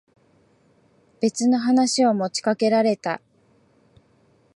別の話を持ちかけられた。